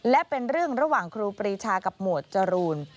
และเป็นเรื่องระหว่างครูปรีชากับหมวดจรูน